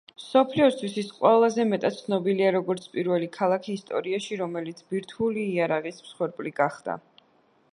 მსოფლიოსთვის ის ყველაზე მეტად ცნობილია, როგორც პირველი ქალაქი ისტორიაში, რომელიც ბირთვული იარაღის მსხვერპლი გახდა.